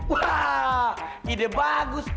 wah ide bagus